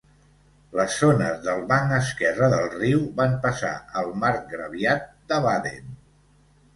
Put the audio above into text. Les zones del banc esquerre del riu van passar al Marcgraviat de Baden.